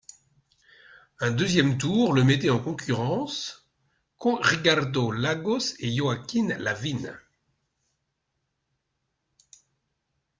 Un deuxième tour le mettait en concurrence Ricardo Lagos et Joaquín Lavín.